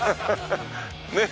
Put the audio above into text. ねえ。